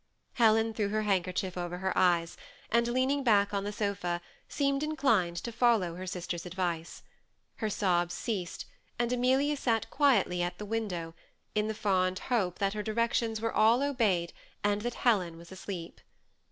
Helen threw her handkerchief over her eyes, and leaning back on the so^ seemed inclined to follow her sister's advice. Her sobs ceased; and Amelia sat quietly at the window, in the fond hope that her directions were all obeyed, and that Helen was asleep.